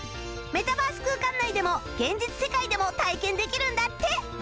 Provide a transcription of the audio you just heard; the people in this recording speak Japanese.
メタバース空間内でも現実世界でも体験できるんだって